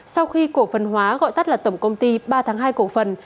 sau khi cổ phần hóa gọi tắt là tổng công ty ba tháng hai cổ phần